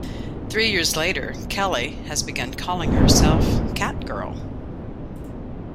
Three years later, Kelley has begun calling herself "Catgirl".